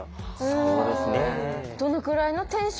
そうですね。